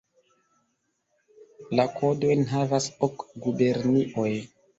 La kodojn havas ok gubernioj.